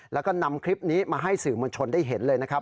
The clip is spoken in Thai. แล้วก็นำคลิปนี้มาให้สื่อมวลชนได้เห็นเลยนะครับ